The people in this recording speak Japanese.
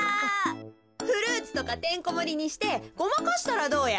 フルーツとかてんこもりにしてごまかしたらどうや？